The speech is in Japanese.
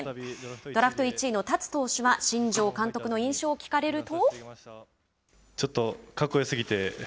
ドラフト１位の達投手は新庄監督の印象を聞かれると。